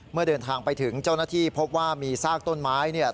เมื่อเดินทางไปถึงเจ้าหน้าที่พบว่ามีซากต้นไม้เนี่ย